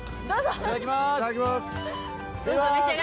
いただきます。